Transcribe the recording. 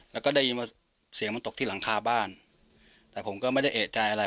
แล้วก็ได้ยินว่าเสียงมันตกที่หลังคาบ้านแต่ผมก็ไม่ได้เอกใจอะไร